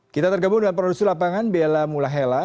kita tergabung dengan produsen lapangan bela mulahela